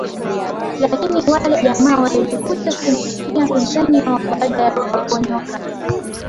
Lakini wale jamaa walijikuta wakimsifia mpinzani wao baada ya kuwaponyoka